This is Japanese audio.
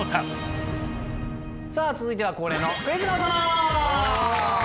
さあ続いては恒例の「クイズの園」！